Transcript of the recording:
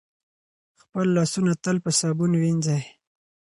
خپل لاسونه تل په صابون وینځئ.